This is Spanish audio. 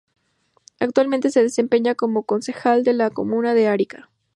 Actualmente se desempeña como concejal de la comuna de Arica.